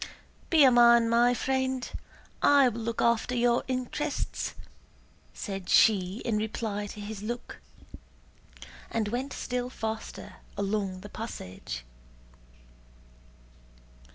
"Be a man, my friend. I will look after your interests," said she in reply to his look, and went still faster along the passage.